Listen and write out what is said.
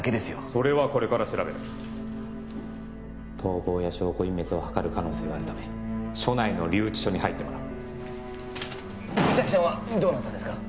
それはこれから調べる逃亡や証拠隠滅をはかる可能性があるため署内の留置所に入ってもらう実咲ちゃんはどうなったんですか？